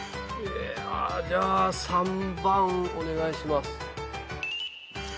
じゃあ３番お願いします。